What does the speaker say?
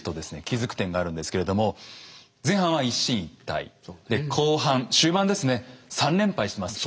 気付く点があるんですけれども前半は一進一退で後半終盤ですね３連敗してます。